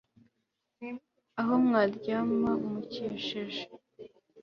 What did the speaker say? aho mwaryama mukesheje